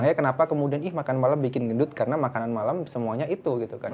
makanya kenapa kemudian ih makan malam bikin gendut karena makanan malam semuanya itu gitu kan